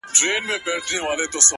د کلي دې ظالم ملا سيتار مات کړی دی ـ